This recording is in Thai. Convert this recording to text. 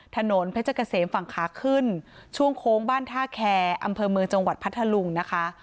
ถนนเพชรเกษมฝั่งขาขึ้นช่วงโค้งบ้านท่าแคร์อำเภอเมืองจังหวัดพัทธลุงนะคะ